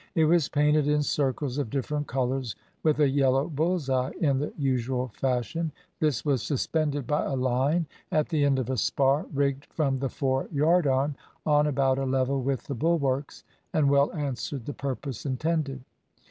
It was painted in circles of different colours, with a yellow bull's eye in the usual fashion. This was suspended by a line at the end of a spar, rigged from the fore yardarm, on about a level with the bulwarks, and well answered the purpose intended.